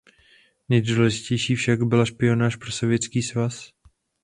Nejdůležitější však byla špionáž pro Sovětský svaz.